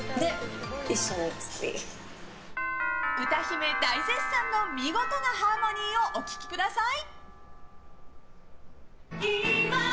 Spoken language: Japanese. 歌姫大絶賛の見事なハーモニーをお聴きください。